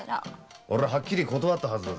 俺ははっきり断ったはずだぜ。